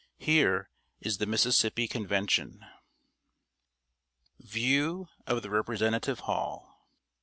Here is the Mississippi Convention. [Sidenote: VIEW OF THE REPRESENTATIVE HALL.